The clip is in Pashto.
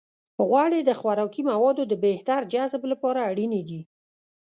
غوړې د خوراکي موادو د بهتر جذب لپاره اړینې دي.